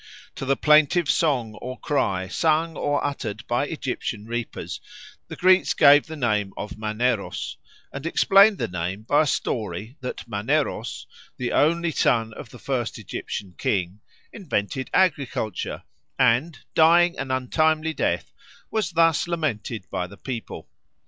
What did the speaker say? To the plaintive song or cry sung or uttered by Egyptian reapers the Greeks gave the name of Maneros, and explained the name by a story that Maneros, the only son of the first Egyptian king, invented agriculture, and, dying an untimely death, was thus lamented by the people.